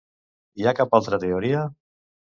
Hi ha cap altra teoria?